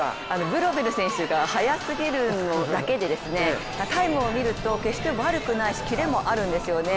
ブロメル選手が速すぎるだけでタイムを見ると、決して悪くないしキレもあるんですよね。